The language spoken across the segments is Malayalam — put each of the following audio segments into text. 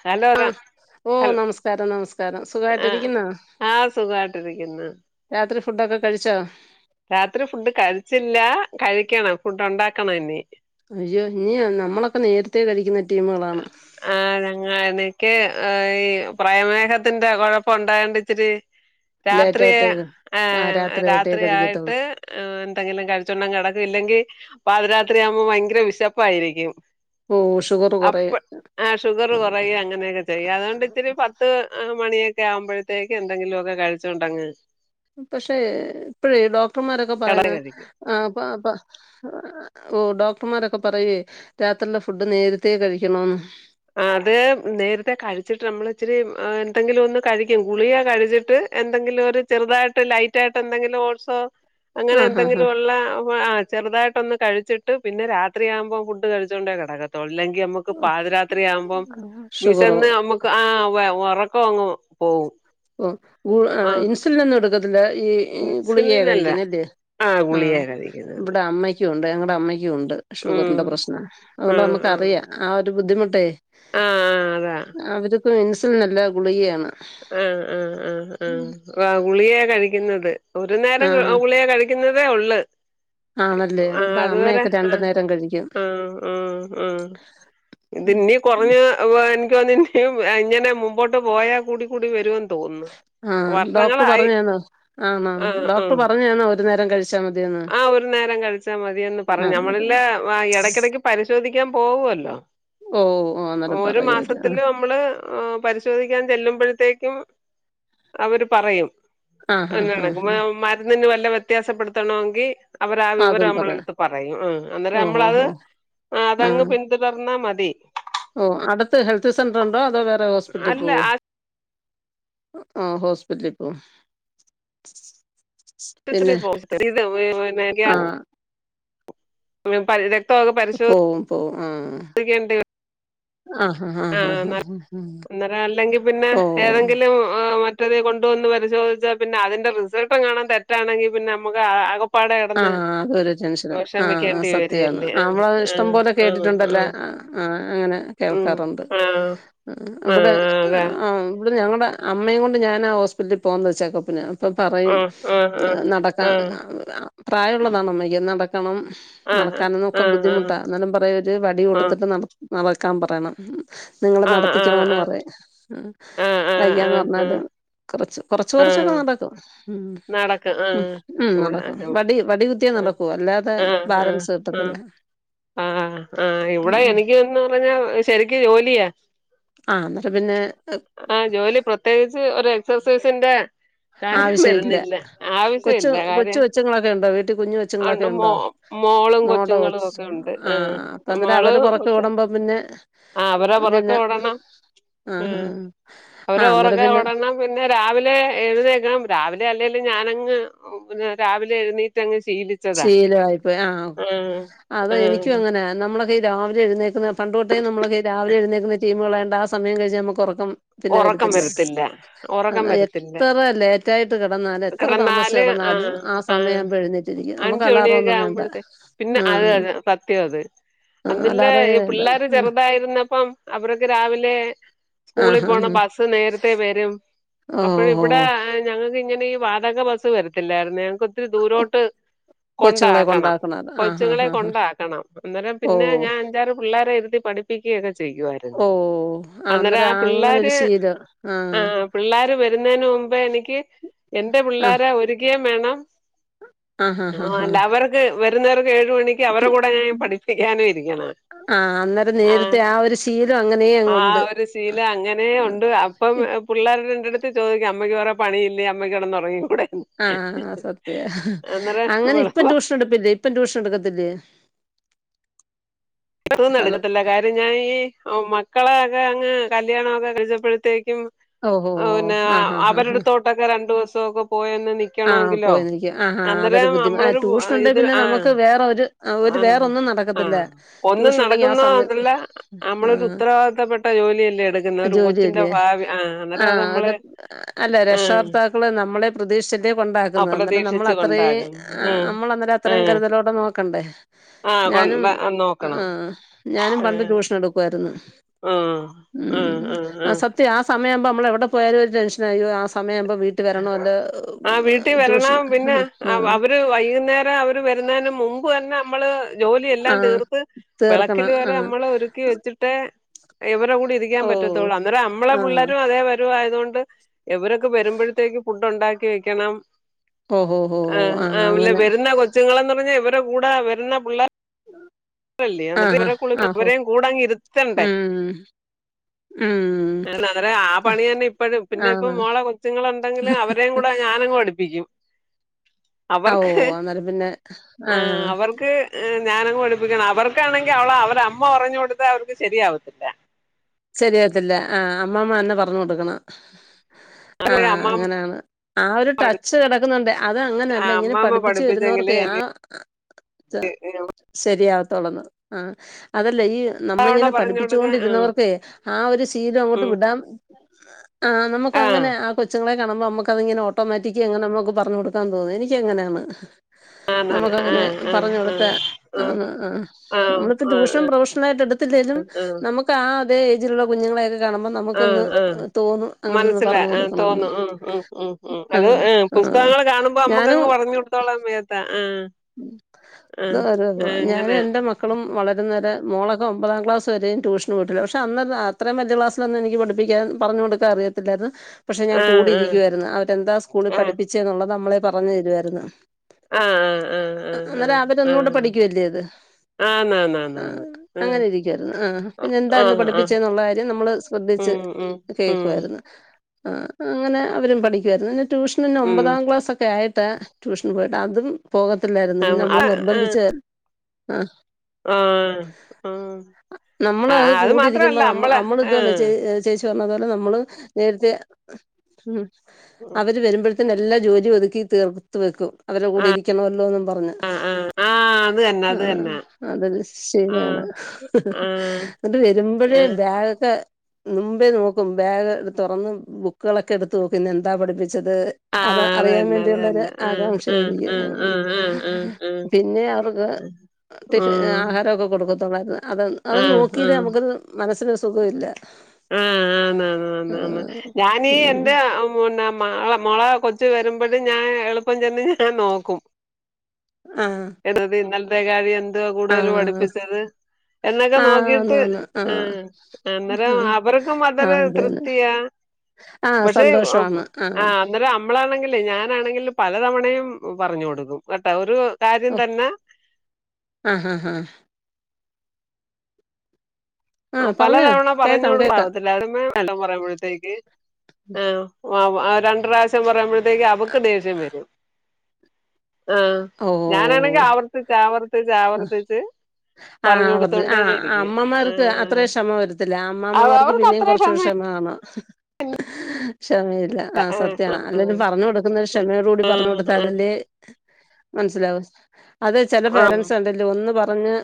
ഹലോതാ ആഹ് ഓ നമസ്കാരം നമസ്കാരം സുഖായിട്ടിരിക്കുന്നോ ആഹ് സുഖവായിട്ടിരിക്കുന്ന് രാത്രി ഫുഡൊക്കെ കഴിച്ചോ രാത്രി ഫുഡ് കഴിച്ചില്ല കഴിക്കണം ഫുഡ് ഉണ്ടാക്കണം ഇനി അയ്യോ ഇന നമ്മളൊക്കെ നേരത്തെേ കഴിക്കുന്ന ടീമുകളാണ് ആഹ് ഞങ്ങ എനിക്ക് ഈ പ്രാമേഹത്തിന്റെ കുഴപ്പം ഉണ്ടായൊണ്ട് ഇച്ചിരി ഉം രാത്രിയ ആഏഹ രാത്രി കഴിക്കത്തുള്ളൂ ആയിട്ട് എന്തെങ്കിലും കഴിച്ച്ചോണ്ട് കിടക്കല്ലെങ്കിൽ പാതിരാത്രിയാവുമ്പോ ഭയങ്കര വിശപ്പായിരിക്കും ഓഹ് ഷുഗർ അപ്പ് കുറയും ആ ഷുഗർ കുറയ അങ്ങനെയൊക്കെ ചെയ്യ അതുകൊണ്ട് ഇച്ചിരി പത്ത് മണിയൊക്കെ ആവുമ്പോഴത്തേക്ക് എന്തെങ്കിലുമക്കെ കഴിച്ചുണ്ടങ്ങ് പക്ഷേ ഇപ്പഴേ ഡോക്ടർമാരൊക്കെ കട കഴിക്കും പറയുന്നഅപ്പൊ അപ്പൊ ഓഹ് ഡോക്ടർമാരൊക്കെ പറയുവേ രാത്രിക്കു ള്ള ഫുഡ് നേരത്തേ കഴിക്കണന്ന് അത് നേരത്തെ കഴിച്ചിട്ട് നമ്മള ഇച്ചിരി എന്തെങ്കിലും ഒന്ന് കഴിക്കും ഗുളിയാ കഴിച്ചിട്ട് എന്തെങ്കിലും ഒരു ചെറുതായിട്ട് ലൈറ്റ് ആയിട്ട് എന്തെങ്കിലും ഓഡ് സോ അങ്ങനെ ആഹ് ആഹ് എന്തെങ്കിലും ഉള്ള ചെറുതായിട്ടൊ ഒന്ന് കഴിച്ചിട്ട് പിന്നെ രാരത്രി ആക്പം ഫുഡ് കഴിച്ചുകണ്ടേ കിടക്കത്തുള്ളൂല്ലെങ്കിൽ നമുക്ക് പാതിരാ ത്രി അയാവുമ്പം ആഹ് ഷുഗറോ വിശന്ന് നമ്മുക്ക് ആ ഉറക്ക അങ്ങ് പോവും ആ ഓഹ് ഇൻസുലിൻ ഒന്നും എടുക്കത്തില്ല ഈ ഈ ഗുളികയെ ഇൻസുലിനല്ല കഴിക്കുന്നല്ലേ ആ ഗുളികയാ കഴിക്കുന്നത് ഇവിടെ അമ്മയ്ക്കും ഉണ്ട് ഞങ്ങളടെ അമ്മയ്ക്കും ഉണ്ട് ഉം ഷുഗറിന്റെ പ്രശ്ന ആ അതുകൊണ്ട് നമുക്ക്റിയാം ആ ഒരു ബുദ്ധിമുട്ടേ ആഹ് ആഹ് അതാ അവർക്ക് ഇൻസുലിൻ അ ല്ല ഗുളികയാണ് ആഹ് ആഹ് ആഹ് ആഹ് ഗുളിയാ കഴിക്കുന്നത് ഒരു ആ നേരം ഗുളിയ കഴ കുന്നതെള്ളൂ ആണല്ലേ ആഹ് ഇവിടെ അതുവരെ അമ്മയൊക്കെ രണ്ടു ആഹ് നേരം കഴിക്കും ഉം ഉം ഇത്നി കുറഞ്ഞ എനിക്ക് തോ ന്ന ഇങ്ങനെ മുമ്പോട്ട് പോയാൽ കൂടി കൂടി വരും തോന്നുന്നു ആഹ് ഡോക്ടർ വർഷങ്ങളായി പറഞ്ഞ താണോ ആന്നോ ആഹ് ഡോക്ടർ പറഞ്ഞ താണോ ഒരു നേരം കഴിച്ചാ മതിയന്ന് ആഹ് ഒരു നേരം കഴി ച്ചാ മതിയന്ന് പറഞ്ഞ അന്നേരം നമ്മളല്ല ഇടക്കിടക്ക് പരിശോധിക്കാൻ പോവുവല്ലോ ഓഹ് ഓ അന്നേരം പറയാ അവര് മ്മള് എ പരിശോധിക്കാൻ ചെല്ലുമ്പോഴത്തേക്കും അവര് പറയും ആ ഹാ ഹാ ബില്ലടക്കും ഹാ മരുന്നിന് വല്ല വ്യത്യാസപ്പെടുത്തണോങ്കി അവരാ ആ അതും വിവരം പറ നമ്മളടുത്ത് പറയും ഉം അന്നേരം ഓ ഹോ നമ്മളത് ഹോ ആ അതങ്ങ് പിൻ ഇത് പറഞ്ഞ മതി ഓ അടുത്ത് ഹെൽത്ത് സെന്റർ ഉണ്ടോ അതോ വേറെ ഹോസ്പിറ്റലിൽ അല്ല പോവോ ആ ഹോസ്പിറ്റൽ പോവും റ്റ് ത്ര പിന്നെ ആ പോവും [unintelligible] വെ പനിടെ പോവുംപോവും ആ പരിശോധിക്കേണ്ടി ആഹ് ആഹ് ആ ആഹ് ആഹ് ആഹ് ആഹ് ഉം അന്നേരം അല്ലെങ്കി പിന്നെ ഓഹ് ഏതെങ്കിലും മ റ്റേത് കൊണ്ടുവന്ന്. പരിശോധിച്ച പിന്നെ. അതിന്റെ റിസൾട്ടങ്ങാനും. തെറ്റാണങ്കി പിന്നെ നമുക്ക് ആകെ.. ആ. അതൊരു ടെൻഷന. ആ ആസത്യാണ് വരികല്ലേ ആ നമ്മളത് ആ ഇഷ്ടം പോലെ ആ കേട്ടിട്ടുണ്ടല്ല. ആ.. ഉം അങ്ങനെ. ഉം കേൾക്കാറുണ്ട്. ആ ആ ഇവടെ.. അതെ ആ ഇവിടെ. ഞങ്ങടെ അമ്മയും കൊണ്ട്. ഞാനാ ഹോസ്പിറ്റലിൽ പോന്നത് ചെക്കപ്പിന അ പ്പൊ പറയും ആ ആ ആ നടക്കാം ആ പ്രായള്ളതാണ് അമ്മക്ക്‌ നടക്കണം ആഹ് നടക്കാനന്നൊക്കെ ആഹ് ബുദ്ധിമുട്ടാ എന്നാലും പറയൊര് വടി ആഹ് കൊടുത്തിട്ട് നട നടക്കാൻ പറയണം.. നിങ്ങള് ആഹ് ആഹ് നടത്തിക്കണോന്ന് ആഹ് പറയു. ആഹ് ആഹ് ആഹ് വയ്യാന്ന് ആഹ് പറഞ്ഞാലും കൊറച്ച് കൊറച്ച് ആഹ് കൊറച്ചൊക്കെ ആഹ് നടക്കും.. മ്മ് നടക്കും മ്മ് ആഹ് ഹും ഇവിടെ നടക്കും. ആഹ് വടി വടി കുത്തിയേ ആഹ് നടക്കു അല്ലാതെ ബാലൻസ് കിട്ടത്തില്ല.. ആ ആ ഇവിടെ ഉം എനിക്ക്ന്ന് പറഞ്ഞാ ശരിക്ക് ജോലിയാ.. ആ ന്നട്ട് പിന്നെ ആ ജോലി പ്രത്യേകിച്ച്. ഒരു എക്സസൈസിന്റെ. കാര്യ ആവശ്യം ഇല്ല തീർന്നില്ല കൊച്ചു ആവശ്യയില്ല കാര്യ കൊച്ചു കൊച്ചുങ്ങളൊക്കെ ഉണ്ടോ വീട്ടിൽ കുഞ്ഞു അഒണ്ട് കൊച്ചുങ്ങളൊക്കെ മോ. ഉണ്ടോ മോളും മോടെ കൊച്ചുങ്ങളും കൊച്ച് ഒക്കെ ഒണ്ട് ഏ ആഹ് അപ്പൊ അന്നേരം മോള് അവര് പൊറക്കെ കൊച്ച ഓടുമ്പോ പിന്നെ ആ അവരെ പിന്നെ പൊറകെ ഓടണം ഹ് ആഹ് ആഹ് അവരെ ആഹ് അന്നേരം ഒറകെ പിന്നെ ഓടണം.. ന്നാ പിന്നെ രാവിലെ എഴുന്നേക്കാൻ.. രാവിലെ അല്ലേലും ഞാനങ്ങ് പിന്നെ രാവിലെ എഴുനേറ്റങ്ങ് ശീലി ശീലയിപ്പോയി ആ അത് എനിക്കും ആഹ് അങ്ങനെ നമ്മള് തി രാവിലെ എഴുന്നേക്കുന്നത് പണ്ടുതൊട്ടേ നമ്മളൊക്കെ രാവിലെ എഴുന്നേക്കുന്ന. ടീ മുകളാണ്ടാ. ആ സമയം കഴിഞ്ഞ നമുക്ക് ഒറക്കം. പിന്നെ വരത്തില്ല. അ ഉറക്കം വരത്തില്ല എത്ര ലേറ്റായിട്ട് ക്കെടന്നാല്.. എത്ര താമസിച്ച് കിടന്നാല് കെടന്നാലും ആഹ് ആ സമയ ആഹ് ആവുമ്പൊ എഴുന്നേറ്റിരി അഞ്ച് നമുക്കലാറൊന്നു മണിയൊക്കെ വേണ്ട ആവുമ്പോഴത്തെ പിന്നെ ആ അത് അത് സത്യം അത് ആ അലാറേ വേണ്ട ണ്ടായിരുന്നപ്പം. അവർക്ക്‌ രാവിലെ.. സ്കൂളി ആഹ് ആഹ് പോണം ആഹ് ബസ്സ് നേരത്തെ വരും. അപ്പഴി ഓഹോ ഇവിടെ ആൻ. ഞങ്ങക്കിങ്ങനെ ഈ വാടക ബസ്സ് വരത്തില്ലാരുന്നു. ഞങ്ങക്ക് ഒത്തിരി ദൂരോട്ട്.. കൊച്ചുങ്ങളെ കൊണ്ടാക്കണം അത് ആഹ് ആഹ് കൊച്ചുങ്ങളെ ആഹ് കൊണ്ടാക്കണം അന്നേരം പിന്നെ ഓഹ് ഞാൻ അഞ്ചാറ് പിള്ളേരെ. ഇരുത്തി പഠി പ്പിക്കൊക്കെ. ചെയ്യുവായിരുന്നു. ഓഹ് ആഹ് അന്നേരം ആ അങ്ങനെ ഒരു പിള്ളേര് ശീലം ആ ആഹ് പിള്ളാര് വരുന്നേന് മുമ്പേ എനിക്ക്. എന്റെ ആഹ് പിള്ളാരെ. ഒരുക്കയും വേണം.. ആഹ് ആ. ആഹ് ആഹ് അല്ല അവർക്ക് വരുന്നേർക്ക്. ഏഴു മണിക്ക് ക്ക് അവരുടെ. കൂടെ ഞാൻ പഠിപ്പിക്കാനും. ഇരിക്കണ.. ആ അന്നേരം. നേരത്തെ ആ ഒരു ശീലം. അങ്ങനെയങ്ങുണ്ട്.. ല്ല അങ്ങനെ ഒണ്ട്. അപ്പം പിള്ളേരെ ന്റെ അടുത്ത് ചോയിക്കും. അമ്മയ്ക്ക് വേറെ പണിയില്ലേ. അമ്മയ്ക്ക് കെടന്ന് ഒറങ്ങികുടെന്ന്.. ആആ സത്യ. അങ്ങനെ ഇപ്പം വെളുപ്പാ ട്യൂഷൻ എടുപ്പില്ലേ. ഇപ്പം ട്യൂഷൻ എടുക്കത്തില്ലേ.. [unintelligible] ഹലോ ന്നെടുക്കത്തില്ല കാര്യം. ഞാൻ ഈ മക്കളെ ഒക്കെ അങ്ങ് കല്യാണൊക്കെ കഴിച്ചപ്പഴത്തേക്കും.. ഓഹോ ഔ ന്നെ ആഹ് ആഹ് ആഹ് ആഹ് അവരെടുത്തോട്ടൊക്കെ രണ്ടു ദിസൊക്കെ പോയന്ന്‌ നിക്കണോ ങ്കിലോ. ക് ആഹാ അതൊരു ബുദ്ധിമു. ആഹ് ട്യൂഷൻണ്ടെ പിന്നെ ആ നമുക്ക് വേറെ ഒരു ഒരു ആ വേറ ഒന്നും ആ നടക്കത്തില്ല.. ഒന്നും ട്യൂഷൻ ഉണ്ടെങ്കി ആ സമയ നടക്കുന്നതല്ല നമ്മളൊരു ആഹ് ഉത്തരവാദിത്തപ്പെട്ട ജോലിയല്ലേ എടുക്കുന്നത് ഒരു കൊച്ചിന്റെ ജോലിയല്ലേ.. ഭാവി ആ അന്നേരം ആഹ് അത് നമ്മള് അല്ല ആ രക്ഷകർത്താക്കള് നമ്മളെ പ്രതീക്ഷ്ച്ചിട്ടേ കൊണ്ടാക്കുന്നത് എന്നിട്ട് നമ്മള അപ്രതീക്ഷിച്ച് അത്രേ കൊണ്ടാകും ആ ആഹ് ആ അമ്മളന്നേരത്രേം കരുതലോടെ നോക്കണ്ടേ. ആ ഞാനും. കൊണ്ട അഹ് നോക്കണം ആഹ് ഞാനും ആ പണ്ട് ട്യൂഷൻ എടുക്കുവായിരുന്നു. ആ ആ ഉം ആ അസ ത് ആ സമയവുമ്പോ നമ്മള് എവിടെ പോയലും ഒരു ടെൻഷനാ യ്യോ ആ സമയാവുമ്പോ വീ ട്ട് വരണല്ലോ ആ ട്യൂഷൻ ഹ്ഹ് വെയ്യുന്നേരം അവ ത് വരുന്നേനേ മുമ്പ് വെര്ന അമ്മള്. ജോലിയെല്ലാം ആഹ് തീർത്ത് തീർക്കണം വെളക്കില് വെരെ. ആഹ് നമ്മള് ഒരുക്കി വെച്ചിട്ടെ. എവരെ കൂടെ ഇരിക്കാൻ ഓ പറ്റതോള്ളൂ അന്നേരം അമ്മളെ ആഹ് പിള്ളേരും അതേ വരുവായതോണ്ട്. എവരൊക്കെ വരുമ്പോഴ് ട്ടുണ്ടാക്കി വെക്കണം. ഓഹോ ഹോ ആഹ് ഹ്ഹ് ഓല് അങ്ങനെ വരുന്ന കൊച് ച്ങ്ങളന്നർഞ്ഞാ ഇവരെ കൂടെ വരുന്ന പുള്ള ആഹ് [unintelligible] ആഹ് ഹോ ഇവരേയും കൂടങ് ഇരുത്തണ്ടേ ഉം ഉം അവരെ ആ പണി തന്നെ ഇപ്പഴും പിന്നെ ഇപ്പം ആഹ് മോളെ കൊച്ചുങ്ങള് ഉണ്ടെങ്കില് അവരേം കൂടെ ഞാനങ്‌ പടിപ്പിക്കും ഓ അവർക്ക് അന്നേരം പിന്നെ ആഹ് അവർക്ക് ഏഹ് ഞാനങ് പഠിപ്പിക്കണം അവർക്കാണെങ്കി അവളെ അവരെ അമ്മ പറഞ് കൊട്ത്താ അവർക്ക് ശരിയാവത്തില്ല ശരിയായത്തില്ല ആഹ് അമ്മാമ്മന്നെ പറഞ് കൊട്ക്കണം അവര് ആഹ് അമ്മാ അങ്ങനെയാണ് ആഹ് ഒര് ടച്ച് കെടക്കുന്നുണ്ട് അത് അങ്ങനെല്ല ആഹ് ഇങ്ങനെ അമ്മാമ്മ പഠിപ്പിച്ച് വരുന്നവർക്ക് പഠിപ്പിച്ചെങ്കില് ആഹ് ത ശരിയാവത്തോളന്ന് ആഹ് അതല്ല ഈ ഇത്തവണ നമ്മളിങ്ങനെ പറഞ്ഞു കൊടുക്കാൻ ആഹ് പഠിപ്പിച്ചോണ്ടിരുന്നവർ ആഹ് ഒരു ശീലം അങ്ങോട്ട് ഉം വിടാം ആഹ് നമുക്ക് അങ്ങനെ ആഹ് കൊച്ചുങ്ങളെ കാണ് മ്പോ നമുക്കതിങ്ങനെ ഓട്ടോമാറ്റിക്ക് എങ്ങനെ നമുക്ക് പറഞ്ഞു കൊട്ക്കാൻ തോന്നും എനിക്ക ങ്ങനെയാണ് ആഹ് നമുക്കങ്ങനെ ആഹ് പറഞ് കൊടുത്ത ആഹ് ആഹ് ആഹ് നമ്മളിപ്പോ ട്യൂഷൻ പ്രൊഫഷണായിട്ടെ ട് ല്ലെലും നമക് തേയ്ജ്ല്ള്ള കുഞ്ങ്ങളെയൊക്കെ കാണ്ബം ആഹ് ആഹ് മനസ്സിലാ പറഞ്ഞു ആഹ് കൊടുക്കണംന്ന് തോന്നു ആഹ് ഉം ഉം ഉം ആ അത് ആം ആ പുസ്തകങ്ങള് കാണുമ്പോ നമ്മുക്കങ്ങ് പറഞ്ഞ് കൊട്ത്തോളാം മേത്താ ആഹ് ആഹ് തൊരോതൊ ആഹ് ഞാന് അങ്ങനെ എന്റെ മ ക്കളും വളരും ന്നെരെ മൊളൊക്കെ ഒമ്പതാം ക്ലാസ് വെരെ ട്യൂഷന് പോയിട്ടില്ല പക്ഷ തന്നതാ അത്രേം വല്ല്യ ക്ലാസ്സിലൊന്നും എനിക്ക് പഠിപ്പിക്കാൻ പറഞ് കൊടുക്കാൻ അറിയത്തില്ലായിരുന്ന് പക്ഷെ ഞാൻ ആഹ് കൂടിയിരിക്കുവായിരുന്നു അവരെന്താ സ്കൂളിൽ ആഹ് പഠിപ്പിച്ചേ ന്നുള്ളത് നമ്മളെ പറഞ് തരുവായിരുന്നു ആഹ് ആഹ് ആഹ് ആഹ് ആഹ് അന്നേരം അവര ആഹ് ഒന്നൂടെ ആഹ് പഠിക്കല്ലേ അത് ആന്നാന്നാന്നാന്ന് ആഹ് അങ്ങനെ ആഹ് ഇരിക്കായിരുന്നു ആഹ് പിന്നെ എന്താന്ന് ആഹ് ആഹ് പഠിപ്പിചേ ന്നുള്ള കാര്യം നമ്മള് ശ്രദ്ധിച്ച് ഉം ഉം ഉം കേക്കുവായിര്ന്നു ആഹ് അങ്ങനെ അവരും പഠിക്കുവായിരുന്നു ന്നെ ട്യൂഷന് ന്നെ ഉം ഒമ്പതാം ക്ലാസ്സൊക്കെ ആയിട്ട് ട്യൂഷന് പോയിട്ട് അതും പോകത്തില്ലായിര്ന്ന് ആ പിന്നെ ആ നമ്മള് നിർബന്ധിച് ആഹ് ആഹ് ആഹ് അഹ് ആഹ് കൂടെ രിക്കുമ്പോ നം അമ്മള് ഇതഞ് ചെ ചേച് ച് വന്നതോടെ നമ്മള് നേരത്തെ ഉം അവര് വരുമ്പ ത്ത്‌ നെല്ലാ ജോലി ഒതുക്കി തീർത്ത് വെക്കും അവര്ടെ കൂടെ ഇരിക്കണോല്ലോന്നും പറഞ് ആ ആ ആ അത് തന്നെ അത് ആഹ് തന്നെ അതല്ലാം ആ ശരിയാണ് ആ വെരുമ്പഴേ ആ ബാഗ് മുംമ്പേ നോക്കും ബേഗ് തൊറന്ന് ബുക്കുകളൊക്കെ എട്ത്ത്‌ നോക്കും ഇന്ന് എന്താ പഠിപ്പിച്ചത് ആ അത് അറിയാൻ തന്നെ അത് വേണ്ടിയുള്ള ഒര് തന്നെ ആ ആ ആ ആകാംക്ഷയായിരിക്കും ആ ആ ആ ആ പിന്നെ അവർക്ക് ടിഫി ആഹാരോക്കെ കൊട്ക്കത്തോള്ളായിരുന്നു അത് അത് നോ ആ ആ ആ അത് മനസിന് ഒര് സുഖവില്ല ആഹ് ആന് ആന് ആന് ഞാനീ ഉം എന്റെ മുന്ന മകള മോളെ കൊച്ച് വരുമ്പോത്തിൻ ഞാന് എളുപ്പം ചെന്ന് ഞാൻ നോക്കും ആഹ് എട്തി ഇന്നെൽത്തെകാര്യം എന്ത് വാ കൂടുതൽ ആഹ് പഠിപ്പിച്ചത് എന്നൊക്കെ ആഹ് നോക്കീട്ട് ആന്നാന്ന് ആഹ് അന്നേരം അവർക്കും അതൊരു ആഹ് അതന്നെ തൃപ്തിയാ ആഹ് പക്ഷെ ആഹ് സന്തോഷവാണ് ആഹ് അന്നേരം നമ്മളാണെങ്കിലേ ഞാനാണെങ്കിലും പല തവണയും പറഞ് കൊടുക്കും കേട്ടാ ഒരു കാര്യം ഓഹ് തന്നെ ആഹ് ആഹ് ആഹ് ആഹ് പറഞ്ഞോ പലതവണ പറഞ് കേക്കാം കേക്കാം കൊടുക്കാവത്തില്ലാര്ന്ന് [unintelligible] പറയുമ്പോഴത്തേക്ക് ആ രണ്ട് പ്രാവശ്യം പറയുമ്പ ത്തേക്ക് അവക്ക് ദേഷ്യം വെരും ആഹ് ഞാനാണെങ്കി ഓഹ് ആവർത്തിച്ച് ആവർത്തിച്ച് ആവർത്തിച്ച് പറഞ്ഞു ആവത് കൊടുത്തോണ്ടേ ആഹ് ഇരിക്കും അമ്മമ്മാര്ക്ക് അത്രയും ക്ഷമ വരത്തില്ല ആഹ് അമ്മമാർക്ക് പിന്നേും കൊറ്ച്ചൂടി ക്ഷമ കാണും പിന്നെ ക്ഷമയില്ല ആ സത്യാണ് അല്ലെങ്കിലും പറഞ്ഞഞ് കൊടുക്കുന്ന ക്ഷമയോട കൂടി പറഞ്ഞ് ആഹ് കൊടുത്താലല്ലേ മനസ്സിലാവു അത് ചെല ആഹ് പേരൻറ്സ് കണ്ടില്ലോ ഒന്ന് പറഞ്ഞ്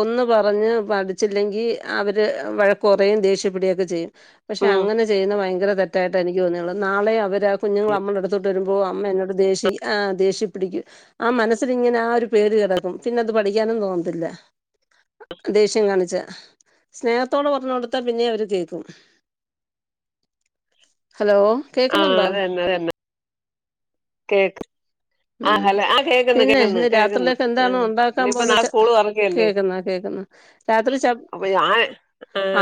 ഒന്ന് പറഞ്ഞ് പഠിച്ചില്ലെങ്കി അവര് വഴക്ക് പറയും ദേഷ്യ പെടൊക്കെ ചെയ്യും പക്ഷെ ഉം അങ്ങനെ ചെയ്യുന്നത് ഭയങ്കര തെറ്റായിട്ട് എനിക്ക് തോന്നിയുള്ളത് നാളെ അവര് ആ കുഞ്ഞുങ്ങൾ അമ്മള അടുത്തോട്ട് വരുമ്പോൾ അമ്മ എന്നോട് ദേഷി ആ ദേഷി പിടിക്കും ആ മനസ്സിലിങ്ങനെ ആ ഒരു പേടി കിടക്കും പിന്നെ അത് പഠിക്കാനും തോന്നത്തില്ല ദേഷ്യം കാണിച്ചാ സ്നേഹത്തോട് പറഞ്ഞു കൊടുത്താൽ പിന്നെ അവര് കേൾക്കും ഹലോ ആഹ് കേക്കുന്നുണ്ടോ അതന്നെ അതന്നെ കേക്കും ആഹ് ഉം ഹെ ല്ലെ ആ കേൾക്കന്ന് പിന്നെ കേക്കന്ന് ഇന്ന് കേൾക്കന്ന് രാത്രിയിലേക്ക് ആ എന്താണ് ഉണ്ടാക്കാൻ ഇനിയിപ്പോ പോന്ന നാളെ സ്കൂള് തുറക്കല്ലേ കേൾക്കുന്ന കേൾക്കുന്ന രാത്രി ച അപ്പൊ ഞാൻ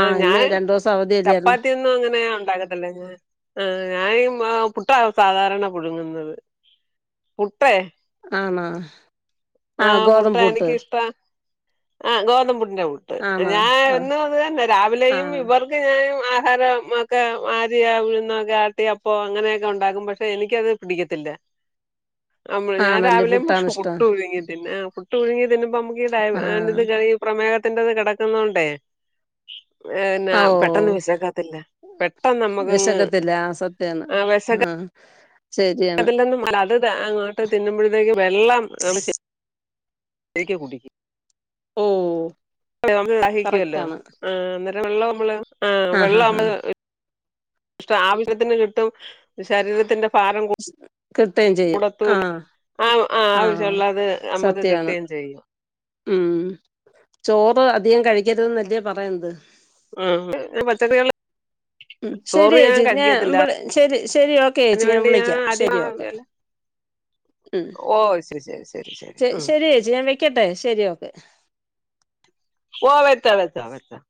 ആ ഇന്ന് ഞാൻ രണ്ടു ദിവസം അവധിയല്ലായിരുന്നോ ചപ്പാത്തിന്നും അങ്ങനെയ ഉണ്ടാക ല്ല ഞൻ ആഹ് ഞാന് പുട്ടാ സാധാരണ പുഴുങ്ങുന്നത് പുട്ടേ ആണോ ആ ആഹ് പുട്ട് ഗോതമ്പ് എനിക്കിഷ്ടാ ആ ഗോതമ്പപുടിന്റെ പുട്ട് ആണോ ഞാൻ ആ എന് പറഞാൽ തന്നെ ആ രാവിലെയും ഇവർ ഞാനും ആഹാരം ഒക്കെ ആര്യ ഉഴുന്നൊക്കെ ആട്ടിയഅപ്പ അങ്ങനെയൊക്കെ ഉണ്ടാക്കും പക്ഷെ എനിക്കത് പിടിക്ക ത്തില്ല അമ്മ ഞാൻ ആണല്ലേ രാവിലെ പുട്ടാണ് ഇഷ്ടം പുട്ടുപുഴുങ്ങി തിന്നെ ആ പുട്ടുപുഴുങ്ങി തിന്നുമ്പോ നമുക്ക് ആ [unintelligible] പ്രമേഹത്തിന്റെറത് കിടക്കുനോണ്ട് ആ ഓ പെട്ടെന്ന് വിശക്കാത്തില്ല വിശക്കത്തില്ല ആ സത്യണ് ആഹ് അതിലെന്നും അല്ല അത് അങ്ങോട്ട് തിന്നുമ്പോഴത്തേക്ക് വെള്ളം ഏക്ക് കുടിക്കും ഓഹ് നമ്മള് സഹിക്കുവല്ലോ ആ അന്നേരം വെള്ളം നമ്മള് ആ ഹാ വെള്ളം ഹാ നമ്മ ആവശ്യത്തിന് ചുട്ടും ശരീരത്തിന്റെ ഭാരം കൂ കിട്ടുകയും ചെയ്യും ആഹ് ആ ആ ആവശ്യമുള്ളത് നമ്മുക്ക് സത്യയാണ് കിട്ടുകയും ചെയ്യും ഉം ചോറ് അധികം കഴിക്കരുത് ന്നല്ലേ പറയണത് ആ പച്ചക്കറിക ഉം ശരി ചേച്ചി ഞാൻള ശരി ശരി ഓക്കെ അതിന് ചേച്ചി ഞാൻ വേണ്ടി വിളിക്കാം ആദ്യം ശരി ഓക്കെ ഉം ഓ ശരി ശരി ശരി ഉം ശരി ചേച്ചി ഞാൻ വെക്കട്ടെ ശരി ക്കെ ഓ വെച്ച വെച്ച വെച്ച